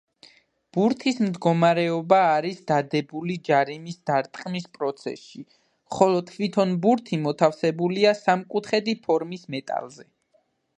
ბურთის მდგომარეობა არის დადებული ჯარიმის დარტყმის პროცესში, ხოლო თვითონ ბურთი მოთავსებულია სამკუთხედი ფორმის მეტალზე.